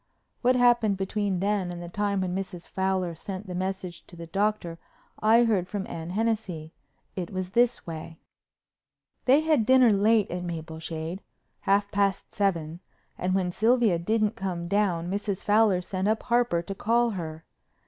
What happened between then and the time when Mrs. Fowler sent the message to the Doctor I heard from Anne Hennessey. It was this way: They had dinner late at Mapleshade—half past seven—and when Sylvia didn't come down Mrs. Fowler sent up Harper to call her.